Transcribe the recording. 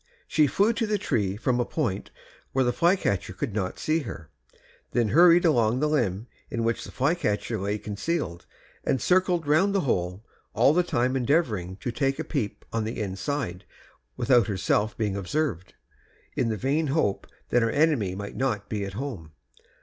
She flew to the tree from a point where the flycatcher could not see her, then hurried along the limb in which the flycatcher lay concealed and circled around the hole, all the time endeavoring to take a peep on the inside without herself being observed, in the vain hope that her enemy might not be at home.